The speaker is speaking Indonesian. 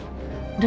udah dong udah eh eh